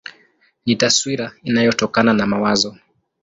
Ni taswira inayotokana na mawazo.